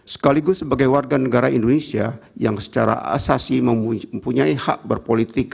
sekaligus sebagai warga negara indonesia yang secara asasi mempunyai hak berpolitik